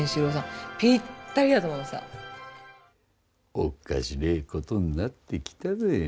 おかしれぇことになってきたぜ。